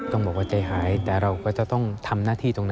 บอกว่าใจหายแต่เราก็จะต้องทำหน้าที่ตรงนั้น